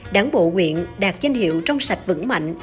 đảng bộ nguyện đạt danh hiệu trong sạch vững mạnh